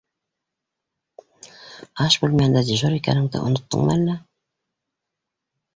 Аш бүлмәһендә дежур икәнеңде оноттоңмо әллә.